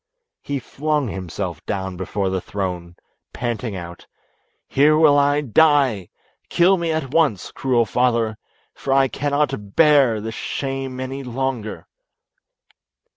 He flung himself down before the throne, panting out, "Here will I die; kill me at once, cruel father, for I cannot bear this shame any longer."